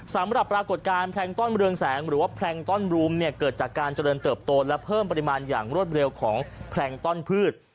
สำหรับปรากฏการณ์แพลงต้อนเรืองแสงหรือว่าแพลงต้อนรูมเนี่ยเกิดจากการเจริญเติบโตและเพิ่มปริมาณอย่างรวดเร็วของแพลงต้อนพืช